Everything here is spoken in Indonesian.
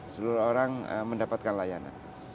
seluruh orang mendapatkan layanan